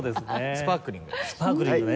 スパークリングね。